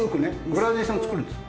グラデーションを作るんです。